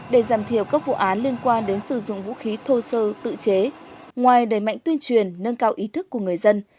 để giảm thiểu các vụ án liên quan đến sử dụng vũ khí thô sơ tự chế ngoài đẩy mạnh tuyên truyền nâng cao ý thức của người dân